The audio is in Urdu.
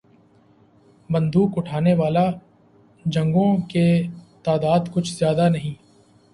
بندوق اٹھانے والے جنگجوؤں کی تعداد کچھ زیادہ نہیں۔